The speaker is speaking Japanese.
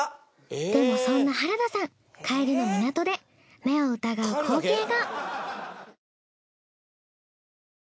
でもそんな原田さん帰りの港で目を疑う光景が。